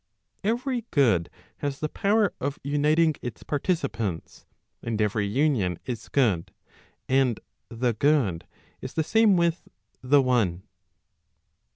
Every good has the power of uniting its participants, and every union is good; and the good is the same with the one.